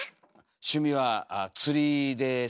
趣味は釣りです。